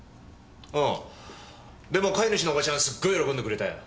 ああでも飼い主のおばちゃんはすっごい喜んでくれたよ。